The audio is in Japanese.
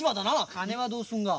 金はどうするが？